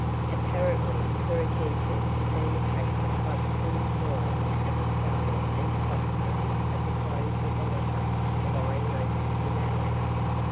Apparently her attention had been attracted by the crude drawing of a skull and cross bones at the close of the letter lying open in her lap.